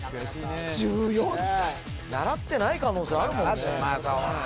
１４歳習ってない可能性あるもんね